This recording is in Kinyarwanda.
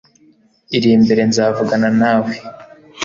iri mbere nzavugana nawe